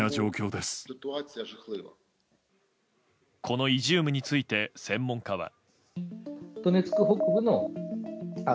このイジュームについて専門家は。